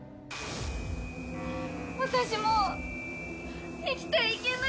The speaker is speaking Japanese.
私もう生きていけない！